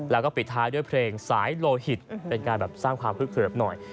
แล้วก็ปิดท้ายด้วยเพลงสายโลหิตเป็นการแบบสร้างความฮึกเขิบหน่อย